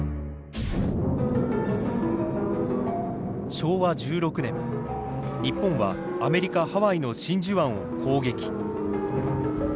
昭和１６年日本はアメリカ・ハワイの真珠湾を攻撃。